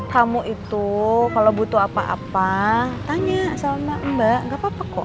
kamu itu kalau butuh apa apa tanya sama mbak gak apa apa kok